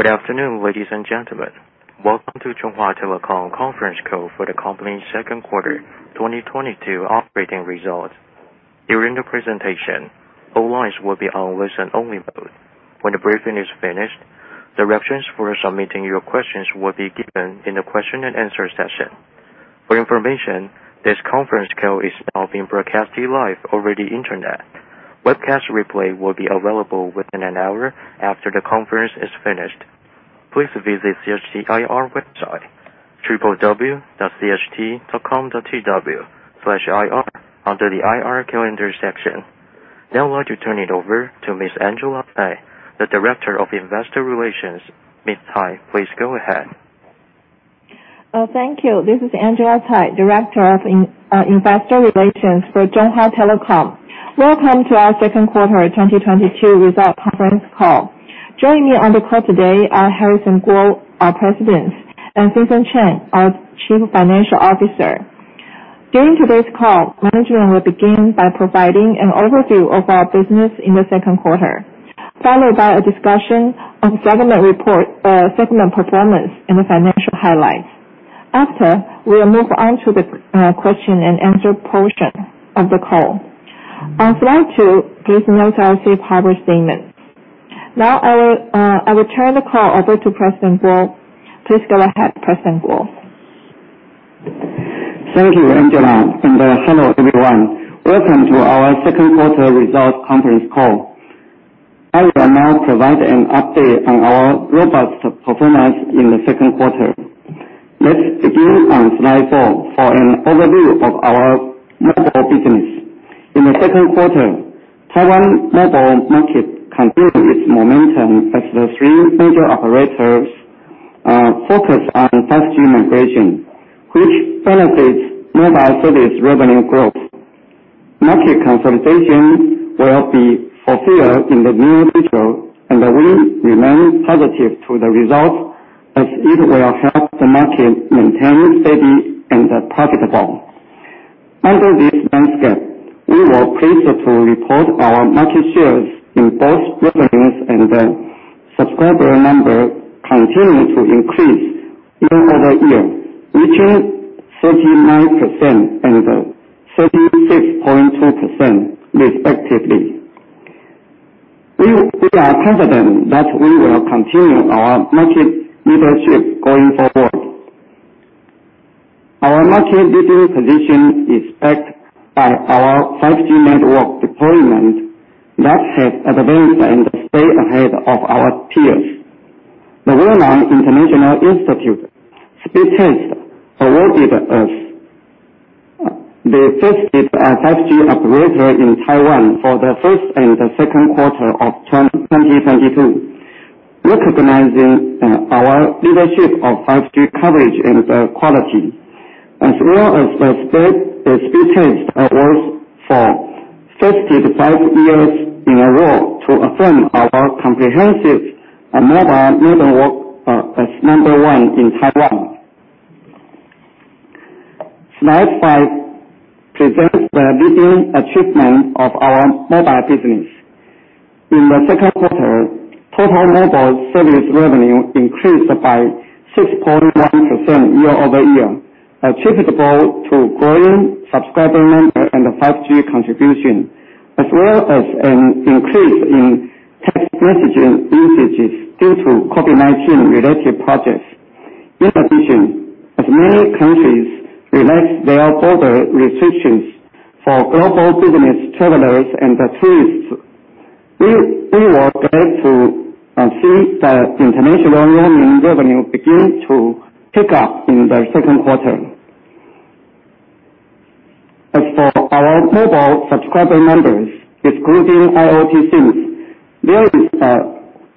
Good afternoon, ladies and gentlemen. Welcome to Chunghwa Telecom conference call for the company's Second Quarter 2022 Operating Results. During the presentation, all lines will be on listen-only mode. When the briefing is finished, the reference for submitting your questions will be given in the question and answer session. For information, this conference call is now being broadcasted live over the Internet. Webcast replay will be available within an hour after the conference is finished. Please visit CHT IR website www.cht.com.tw/ir under the IR calendar section. Now I'd like to turn it over to Ms. Angela Tsai, Director of Investor Relations. Ms. Tsai, please go ahead. Thank you. This is Angela Tsai, Director of Investor Relations for Chunghwa Telecom. Welcome to our second quarter 2022 results conference call. Joining me on the call today are Shui-Yi "Harrison" Kuo, our President, and Vincent Chen, our Chief Financial Officer. During today's call, management will begin by providing an overview of our business in the second quarter, followed by a discussion on segment performance and the financial highlights. After, we'll move on to the question and answer portion of the call. I'd like to give notice to our safe harbor statement. Now, I will turn the call over to President Kuo. Please go ahead, President Kuo. Thank you, Angela, and hello, everyone. Welcome to our second quarter results conference call. I will now provide an update on our robust performance in the second quarter. Let's begin on slide four for an overview of our mobile business. In the second quarter, Taiwan mobile market continued its momentum as the three major operators focus on 5G migration, which benefits mobile service revenue growth. Market consolidation will be fulfilled in the near future, and we remain positive to the results as it will help the market maintain steady and profitable. Under this landscape, we were pleased to report our market shares in both revenues and the subscriber number continued to increase year-over-year, reaching 39% and 36.2%, respectively. We are confident that we will continue our market leadership going forward. Our market leading position is backed by our 5G network deployment that has advanced and stay ahead of our peers. Speedtest awarded us the fastest 5G operator in Taiwan for the first and the second quarter of 2022, recognizing our leadership of 5G coverage and quality, as well as the Speedtest Awards for five years in a row to affirm our comprehensive mobile network as number one in Taiwan. Slide five presents the leading achievement of our mobile business. In the second quarter, total mobile service revenue increased by 6.1% year-over-year, attributable to growing subscriber number and the 5G contribution, as well as an increase in text messaging usages due to COVID-19 related projects. In addition, as many countries relax their border restrictions for global business travelers and tourists, we were glad to see the international roaming revenue begin to pick up in the second quarter. As for our mobile subscriber numbers, excluding IoT SIMs, there is a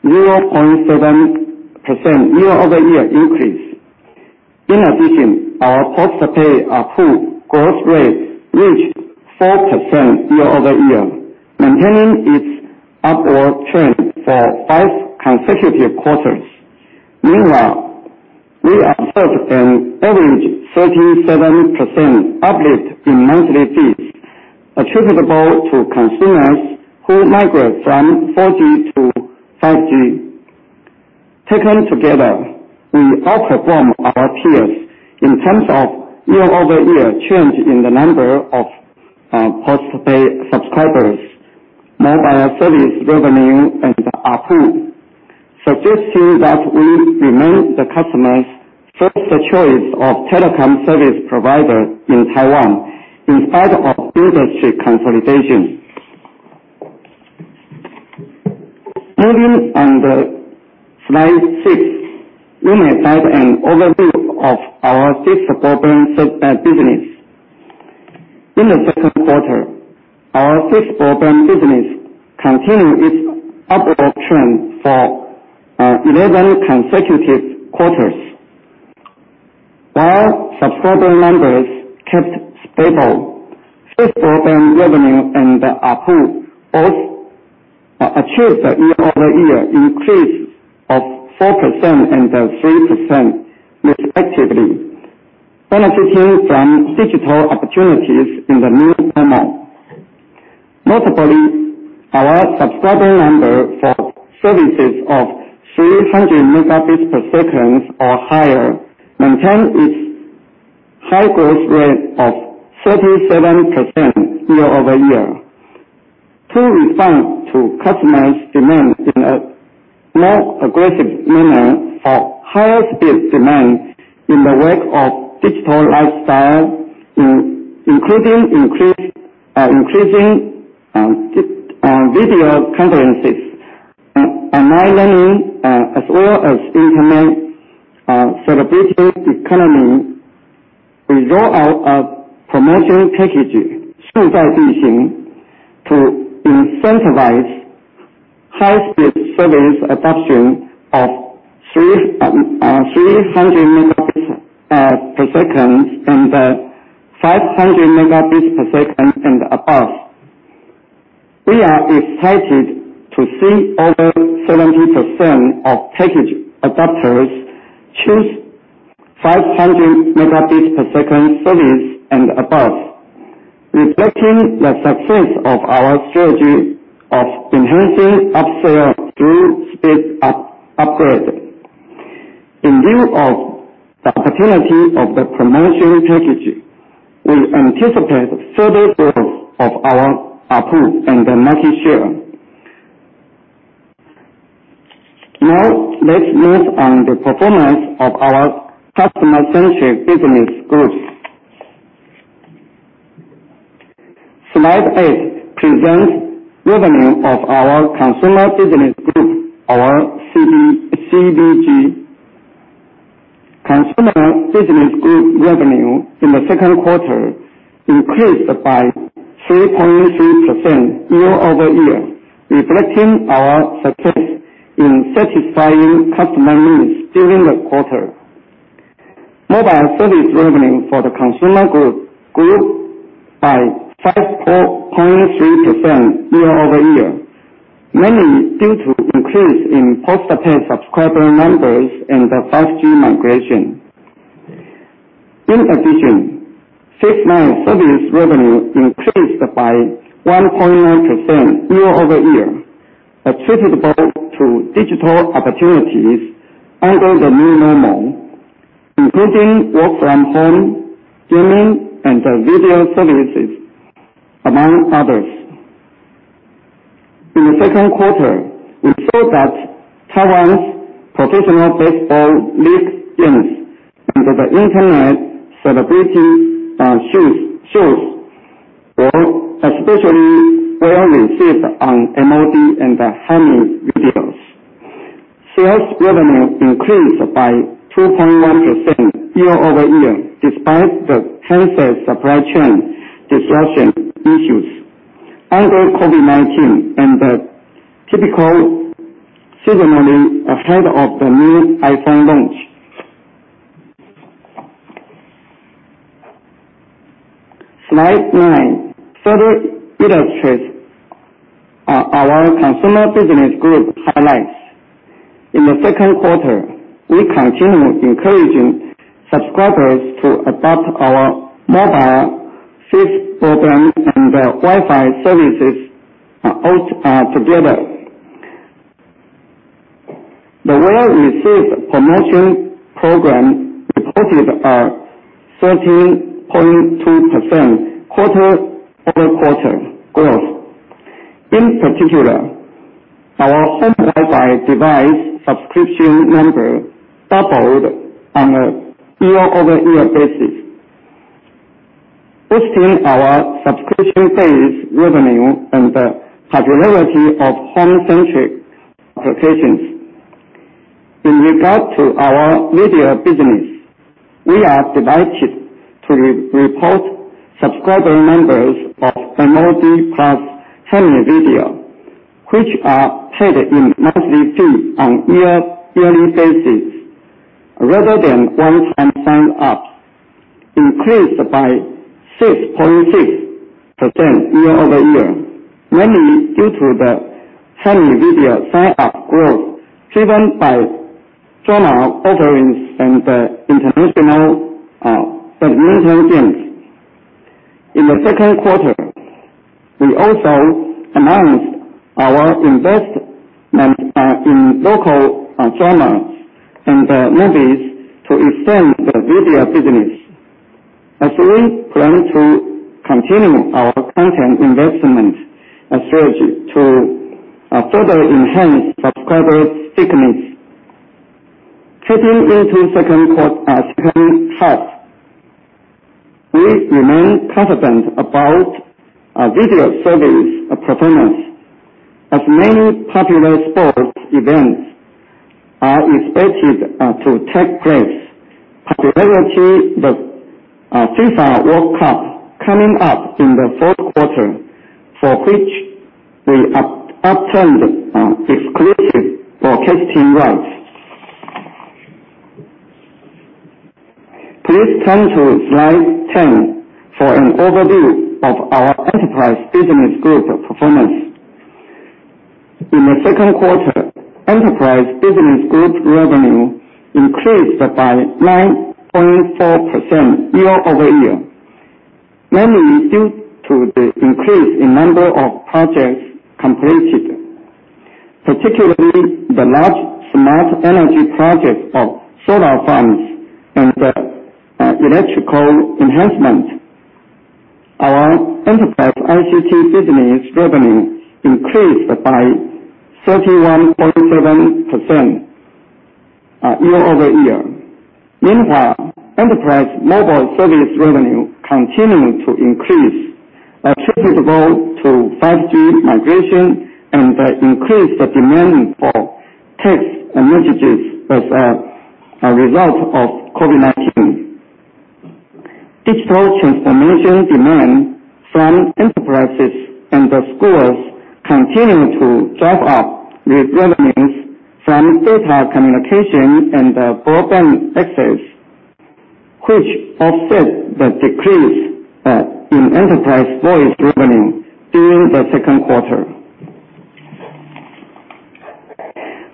0.7% year-over-year increase. In addition, our post-paid ARPU growth rate reached 4% year-over-year, maintaining its upward trend for five consecutive quarters. Meanwhile, we observed an average 37% uplift in monthly fees attributable to consumers who migrate from 4G to 5G. Taken together, we outperformed our peers in terms of year-over-year change in the number of post-paid subscribers, mobile service revenue and ARPU, suggesting that we remain the customers' first choice of telecom service provider in Taiwan in spite of industry consolidation. Moving on to slide six, we may find an overview of our fixed broadband business. In the second quarter, our fixed broadband business continued its upward trend for 11 consecutive quarters. While subscriber numbers kept stable, fixed broadband revenue and ARPU both achieved a year-over-year increase of 4% and 3% respectively, benefiting from digital opportunities in the new normal. Notably, our subscriber number for services of 300 Mbps or higher maintain its high growth rate of 37% year-over-year. To respond to customers' demand in a more aggressive manner for higher speed demand in the wake of digital lifestyle, including increasing video conferences, and online learning, as well as internet celebrity economy. We roll out a promotion package to incentivize high-speed service adoption of 300 Mbps and 500 Mbps and above. We are excited to see over 70% of package adopters choose 500 Mbps service and above, reflecting the success of our strategy of enhancing up-sales through speed up, upgrade. In view of the opportunity of the promotion package, we anticipate further growth of our ARPU and the market share. Now, let's move on to the performance of our customer-centric business groups. Slide eight presents revenue of our Consumer Business Group, or CBG. Consumer Business Group revenue in the second quarter increased by 3.3% year-over-year, reflecting our success in satisfying customer needs during the quarter. Mobile service revenue for the Consumer Business Group grew by 5.3% year-over-year, mainly due to increase in post-paid subscriber numbers and the 5G migration. In addition, fixed-line service revenue increased by 1.0% year-over-year, attributable to digital opportunities under the new normal, including work from home, gaming and video services, among others. In the second quarter, we saw that Taiwan's Professional Baseball League games and the internet celebrity shows were especially well received on MOD and Hami Video. Sales revenue increased by 2.1% year-over-year, despite the handset supply chain disruption issues under COVID-19 and the typical seasonality ahead of the new iPhone launch. Slide nine further illustrates our Consumer Business Group highlights. In the second quarter, we continue encouraging subscribers to adopt our mobile fixed broadband and Wi-Fi services, all together. The well-received promotion program reported a 13.2% quarter-over-quarter growth. In particular, our home Wi-Fi device subscription number doubled on a year-over-year basis, boosting our subscription-based revenue and the popularity of home-centric applications. In regard to our video business, we are delighted to re-report subscriber numbers of MOD plus Hami Video, which are paid in monthly fee on year, yearly basis. Rather than one-time sign-ups, increased by 6.6% year-over-year, mainly due to the Hami Video sign-up growth driven by drama offerings and the international badminton games. In the second quarter, we also announced our investment in local dramas and movies to extend the video business, as we plan to continue our content investment strategy to further enhance subscriber stickiness. Stepping into second half, we remain confident about our video service performance as many popular sports events are expected to take place, particularly the FIFA World Cup coming up in the fourth quarter, for which we obtained exclusive broadcasting rights. Please turn to slide 10 for an overview of our Enterprise Business Group performance. In the second quarter, Enterprise Business Group revenue increased by 9.4% year-over-year, mainly due to the increase in number of projects completed, particularly the large smart energy project of solar farms and electrical enhancement. Our enterprise ICT business revenue increased by 31.7% year-over-year. Meanwhile, enterprise mobile service revenue continued to increase, attributable to 5G migration and the increased demand for text and messages as a result of COVID-19. Digital transformation demand from enterprises and the schools continued to drive up with revenues from data communication and the broadband access, which offset the decrease in enterprise voice revenue during the second quarter.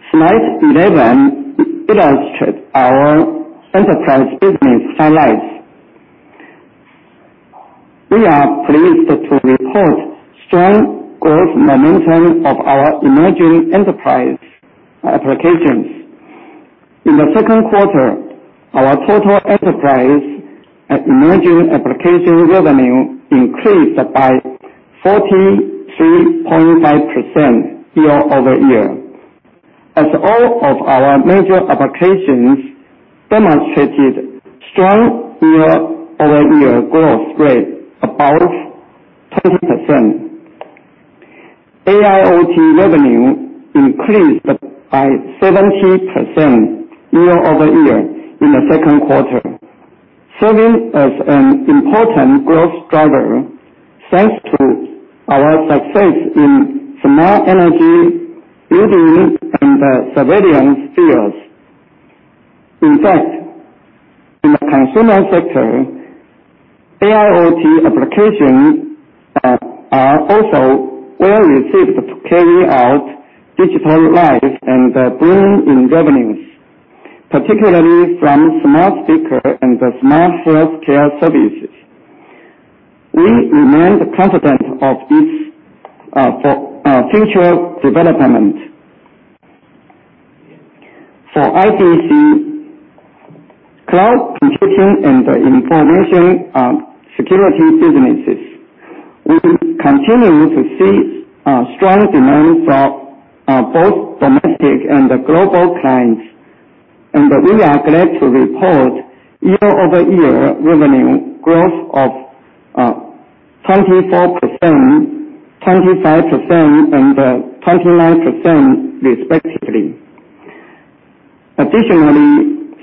Slide 11 illustrates our enterprise business highlights. We are pleased to report strong growth momentum of our emerging enterprise applications. In the second quarter, our total enterprise emerging application revenue increased by 43.5% year-over-year, as all of our major applications demonstrated strong year-over-year growth rate above 20%. AIoT revenue increased by 70% year-over-year in the second quarter, serving as an important growth driver thanks to our success in smart energy, building, and surveillance fields. In fact, in the consumer sector, AIoT applications are also well received to carry out digital life and bring in revenues, particularly from smart speaker and the smart healthcare services. We remain confident of its future development. For ICT cloud computing and the information security businesses, we continue to see strong demand from both domestic and global clients. We are glad to report year-over-year revenue growth of 24%, 25%, and 29%, respectively. Additionally,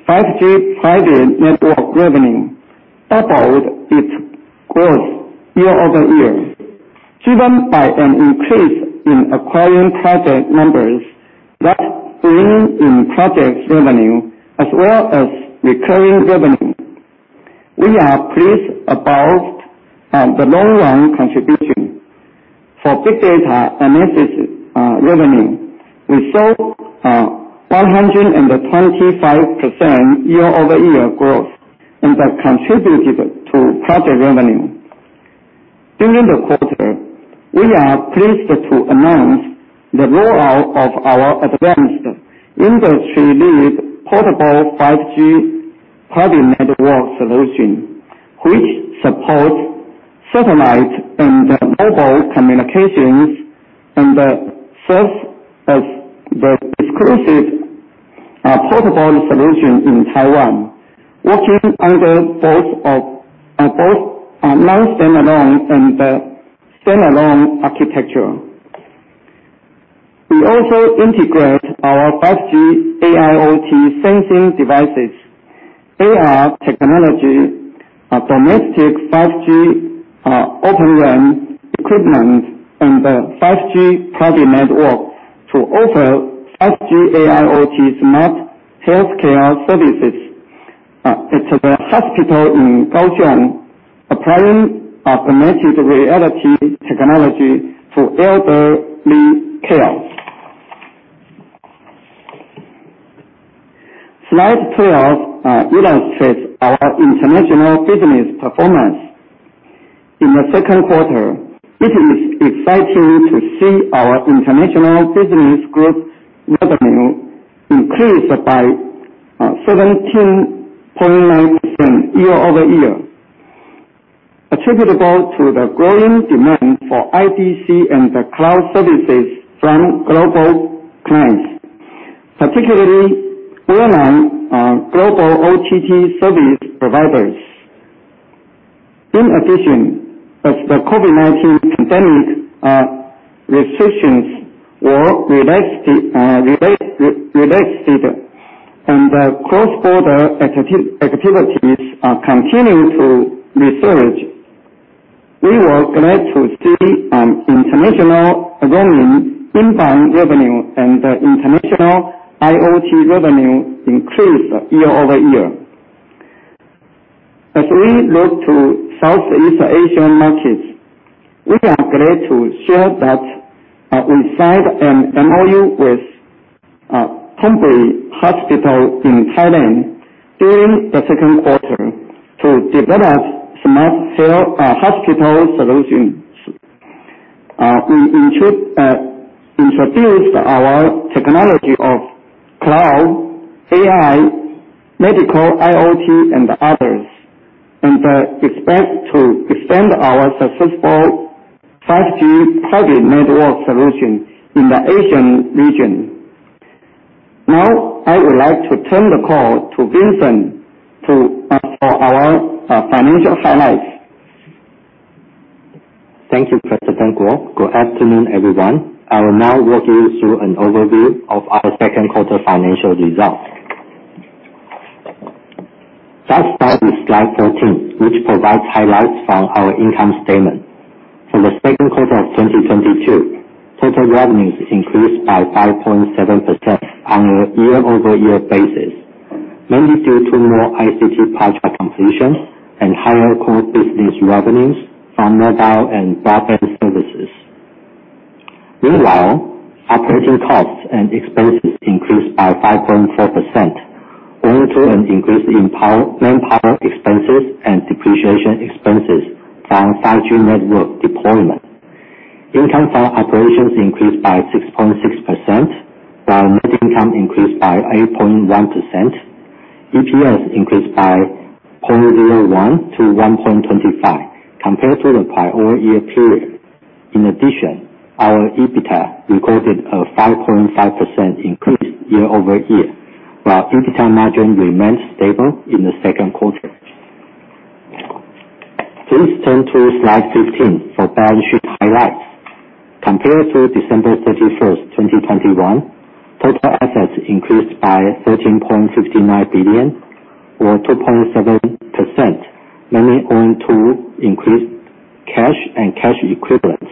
5G private network revenue doubled its growth year-over-year, driven by an increase in acquiring project members that bring in project revenue as well as recurring revenue. We are pleased about the long run contribution. For big data analysis revenue, we saw 125% year-over-year growth, and that contributed to project revenue. During the quarter, we are pleased to announce the rollout of our advanced industry-leading portable 5G private network solution, which supports satellite and mobile communications and serves as the exclusive, portable solution in Taiwan, working under both non-standalone and the standalone architecture. We also integrate our 5G AIoT sensing devices, AR technology, a domestic 5G, Open RAN equipment and a 5G private network to offer 5G AIoT smart healthcare services, at the hospital in Kaohsiung, applying augmented reality technology for elderly care. Slide 12 illustrates our international business performance. In the second quarter, it is exciting to see our International Business Group revenue increased by 17.9% year-over-year, attributable to the growing demand for ICT and the cloud services from global clients, particularly well-known, global OTT service providers. In addition, as the COVID-19 pandemic restrictions were relaxed, and cross-border activities continued to resurge, we were glad to see international roaming inbound revenue and international IoT revenue increased year-over-year. As we look to Southeast Asian markets, we are glad to share that we signed an MOU with Thonburi Hospital in Thailand during the second quarter to develop smart care hospital solutions. We introduced our technology of cloud, AI, medical IoT and others, and expect to extend our successful 5G private network solution in the Asian region. Now, I would like to turn the call to Vincent for our financial highlights. Thank you, President Kuo. Good afternoon, everyone. I will now walk you through an overview of our second quarter financial results. Let's start with slide 14, which provides highlights from our income statement. For the second quarter of 2022, total revenues increased by 5.7% on a year-over-year basis, mainly due to more ICT project completions and higher core business revenues from mobile and broadband services. Meanwhile, operating costs and expenses increased by 5.4% owing to an increase in manpower expenses and depreciation expenses from 5G network deployment. Income for operations increased by 6.6%, while net income increased by 8.1%. EPS increased by 0.01 to 1.25 compared to the prior year period. In addition, our EBITDA recorded a 5.5% increase year-over-year, while EBITDA margin remained stable in the second quarter. Please turn to slide 15 for balance sheet highlights. Compared to December 31st, 2021, total assets increased by 13.59 billion, or 2.7%, mainly owing to increased cash and cash equivalents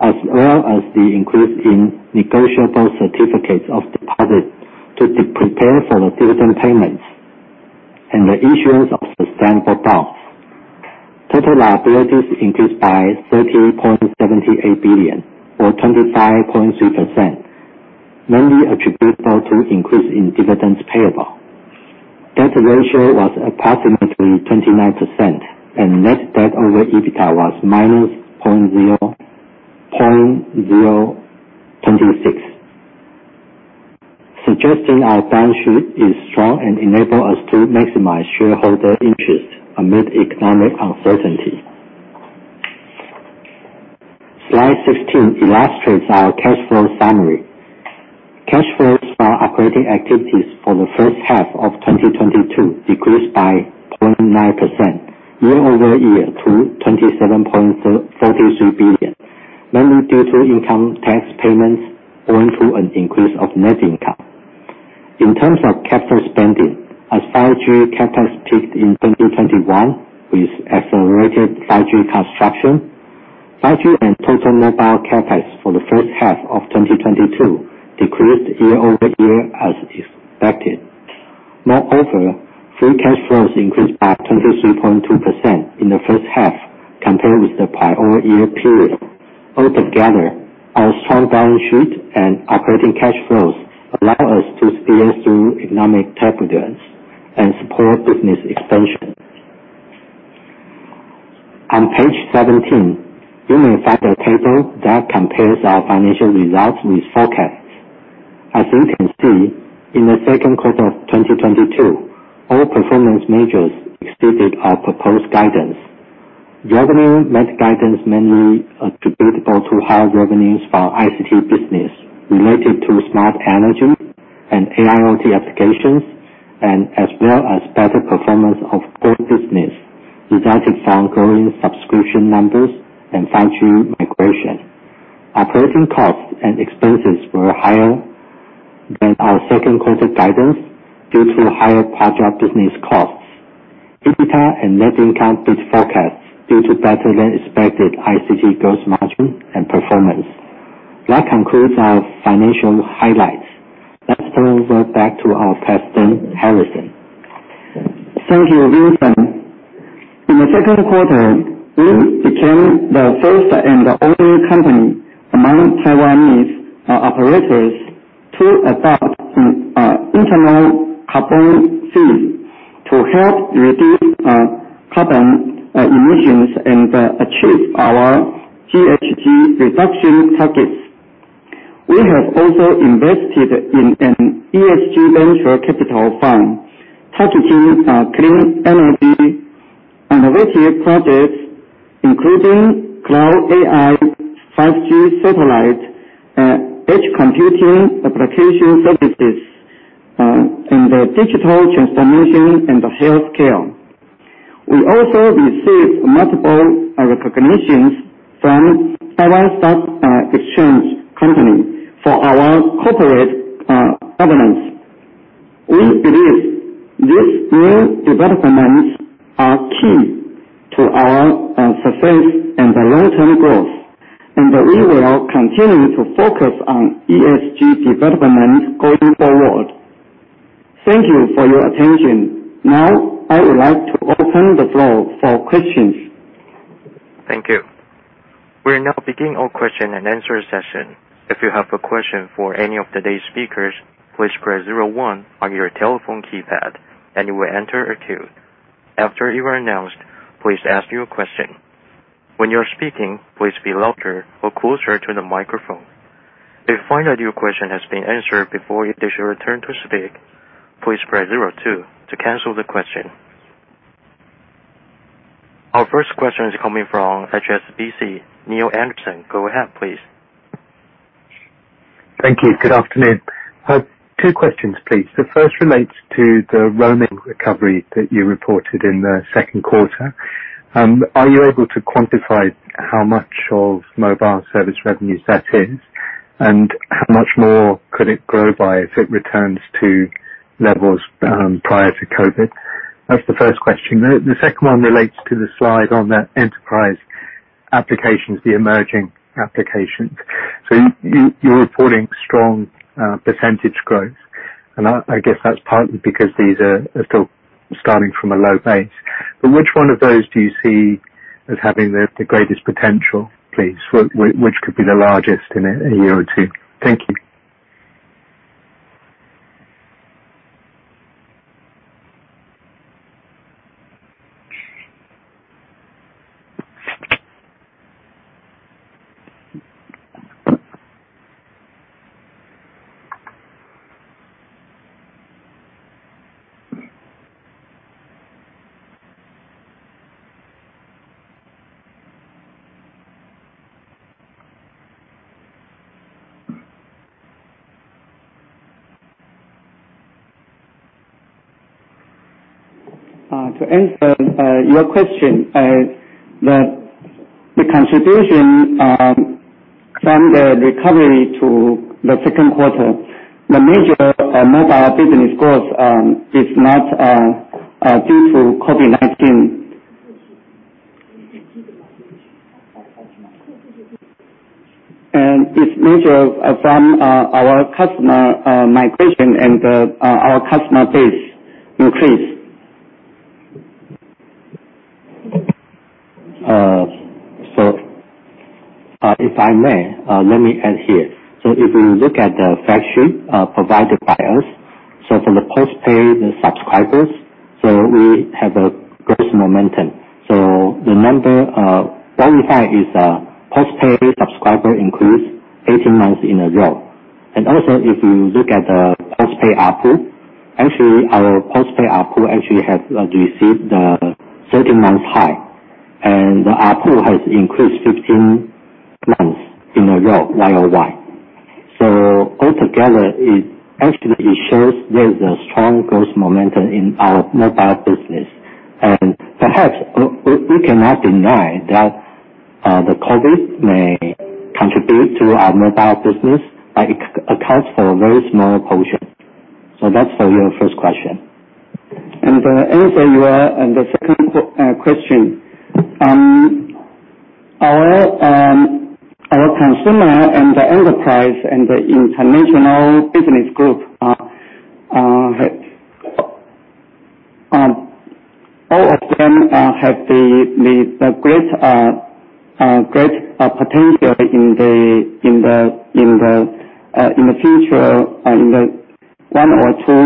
as well as the increase in negotiable certificates of deposit to prepare for the dividend payments and the issuance of sustainable bonds. Total liabilities increased by 30.78 billion or 25.3%, mainly attributable to increase in dividends payable. Debt ratio was approximately 29%, and net debt over EBITDA was -0.026, suggesting our balance sheet is strong and enable us to maximize shareholder interest amid economic uncertainty. Slide 16 illustrates our cash flow summary. Cash flows from operating activities for the first half of 2022 decreased by 0.9% year-over-year to 27.43 billion, mainly due to income tax payments owing to an increase of net income. In terms of capital spending, as 5G CapEx peaked in 2021 with accelerated 5G construction, 5G and total mobile CapEx for the first half of 2022 decreased year-over-year as expected. Moreover, free cash flows increased by 23.2% in the first half compared with the prior year period. Altogether, our strong balance sheet and operating cash flows allow us to sail through economic turbulence and support business expansion. On page 17, you may find a table that compares our financial results with forecasts. As you can see, in the second quarter of 2022, all performance measures exceeded our proposed guidance. Revenue met guidance mainly attributable to higher revenues for ICT business related to smart energy and AIoT applications and as well as better performance of core business resulted from growing subscription numbers and 5G migration. Operating costs and expenses were higher than our second quarter guidance due to higher project business costs. EBITDA and net income beat forecasts due to better than expected ICT gross margin and performance. That concludes our financial highlights. Let's turn it over back to our President, Harrison Kuo. Thank you, Vincent. In the second quarter, we became the first and the only company among Taiwanese operators to adopt an internal carbon fee to help reduce carbon emissions and achieve our GHG reduction targets. We have also invested in an ESG venture capital fund targeting clean energy innovative projects, including cloud AI, 5G satellite, edge computing application services, and the digital transformation in the healthcare. We also received multiple recognitions from Taiwan Stock Exchange Corporation for our corporate governance. We believe these new developments are key to our success and the long-term growth. We will continue to focus on ESG development going forward. Thank you for your attention. Now, I would like to open the floor for questions. Thank you. We're now beginning our question and answer session. If you have a question for any of today's speakers, please press zero-one on your telephone keypad, and you will enter a queue. After you are announced, please ask your question. When you're speaking, please speak louder or closer to the microphone. If you find that your question has been answered before it is your turn to speak, please press zero-two to cancel the question. Our first question is coming from HSBC, Neale Anderson. Go ahead, please. Thank you. Good afternoon. I have two questions, please. The first relates to the roaming recovery that you reported in the second quarter. Are you able to quantify how much of mobile service revenues that is? And how much more could it grow by if it returns to levels prior to COVID? That's the first question. The second one relates to the slide on the enterprise applications, the emerging applications. So you're reporting strong percentage growth, and I guess that's partly because these are still starting from a low base. Which one of those do you see as having the greatest potential, please? Which could be the largest in a year or two? Thank you. To answer your question, the contribution from the recovery to the second quarter, the major mobile business growth is not due to COVID-19. It's major from our customer migration and our customer base increase. If I may, let me add here. If we look at the fact sheet provided by us, from the post-paid subscribers, we have a growth momentum. The number what we have is post-paid subscriber increase 18 months in a row. Also, if you look at the post-paid ARPU, actually, our post-paid ARPU actually has received the 13-month high, and ARPU has increased 15 months in a row, year-over-year. Altogether, it actually shows there's a strong growth momentum in our mobile business. Perhaps we cannot deny that the COVID may contribute to our mobile business, but it accounts for a very small portion. That's for your first question. To answer your second question. Our Consumer and Enterprise and the International Business Group all have great potential in the future in one or two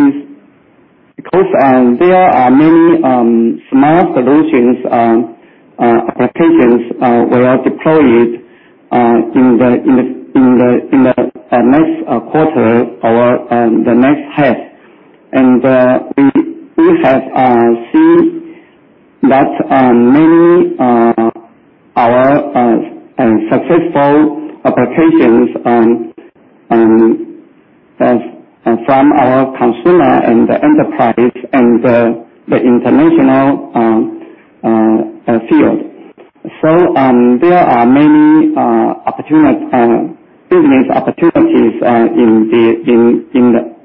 years. Because there are many small solutions, applications we are deploying in the next quarter or the next half. We have seen that many of our successful applications from our consumer and the enterprise and the international fields. There are many business opportunities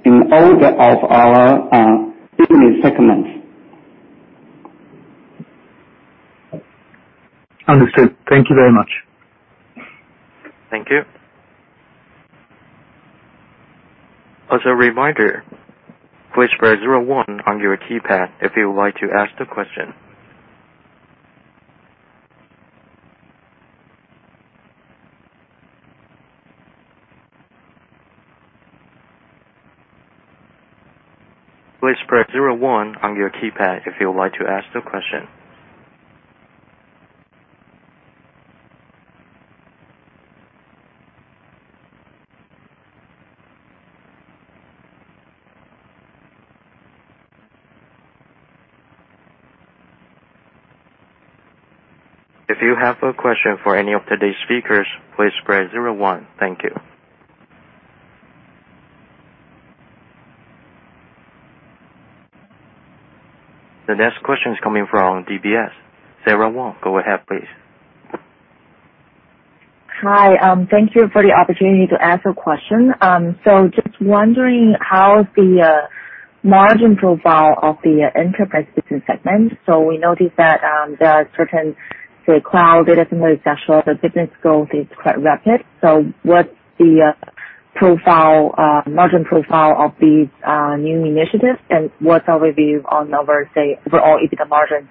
in all of our business segments. Understood. Thank you very much. Thank you. As a reminder, please press zero-one on your keypad if you would like to ask the question. Please press zero-one on your keypad if you would like to ask the question. If you have a question for any of today's speakers, please press zero-one. Thank you. The next question is coming from DBS. Sara Wang, go ahead, please. Hi. Thank you for the opportunity to ask a question. Just wondering how the margin profile of the enterprise business segment. We noticed that there are certain, say, cloud data center services, the business growth is quite rapid. What's the margin profile of these new initiatives? What's our view on overall EBITDA margin,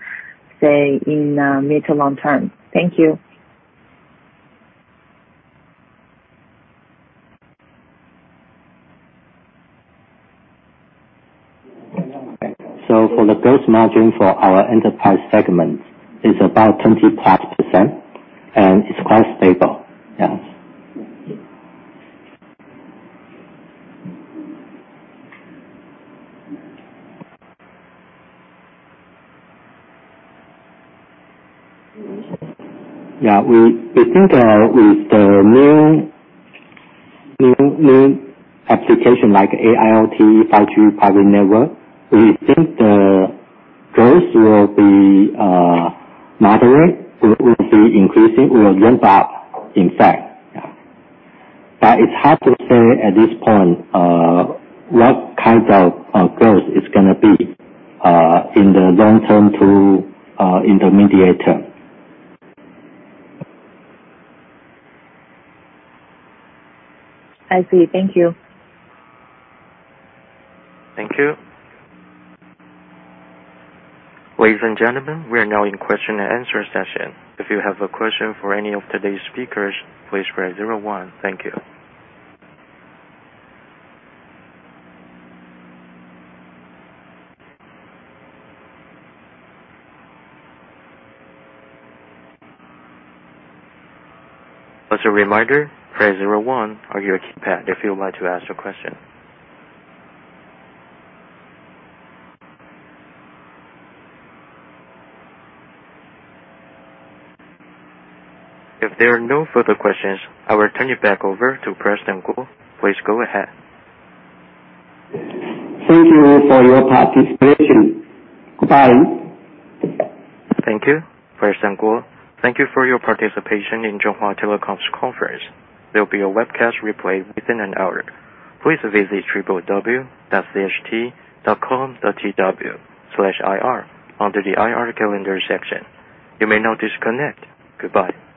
say, in mid- to long-term? Thank you. For the gross margin for our enterprise segment is about 20%+, and it's quite stable. We think with the new application like AIoT, 5G private network, we think the growth will be moderate. It will be increasing. It will ramp up in fact. It's hard to say at this point what kind of growth it's gonna be in the long term, too, in the medium term. I see. Thank you. Thank you. Ladies and gentlemen, we are now in question and answer session. If you have a question for any of today's speakers, please press zero one. Thank you. As a reminder, press zero one on your keypad if you would like to ask a question. If there are no further questions, I will turn it back over to President Kuo. Please go ahead. Thank you for your participation. Goodbye. Thank you. President Kuo. Thank you for your participation in Chunghwa Telecom's conference. There'll be a webcast replay within an hour. Please visit www.cht.com.tw/ir under the IR calendar section. You may now disconnect. Goodbye.